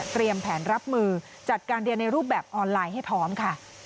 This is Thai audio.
แผนรับมือจัดการเรียนในรูปแบบออนไลน์ให้พร้อมค่ะ